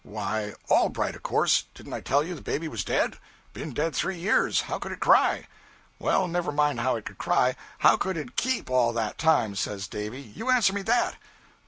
'Why, Allbright, of course; didn't I tell you the baby was dead. Been dead three years how could it cry?' 'Well, never mind how it could cry how could it _keep _all that time?' says Davy. 'You answer me that.'